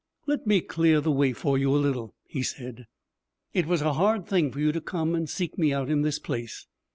'Let me clear the way for you a little,' he said. 'It was a hard thing for you to come and seek me out in this place.